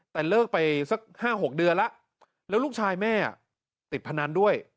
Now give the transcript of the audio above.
แต่เลิกไปสัก๕๖เดือนแล้วแล้วลูกชายแม่ติดพนันด้วย